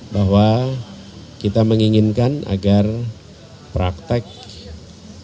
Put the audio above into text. bahwa kita menginginkan agar praktek